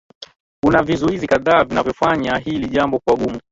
kuna vizuizi kadhaa vinavyofanya hili jambo kuwa gumu